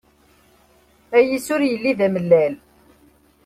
Ayis, ur yelli d amellal.